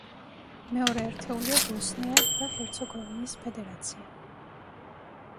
მეორე ერთეულია ბოსნია და ჰერცეგოვინის ფედერაცია.